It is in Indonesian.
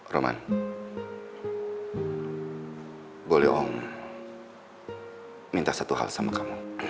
roman boleh om minta satu hal sama kamu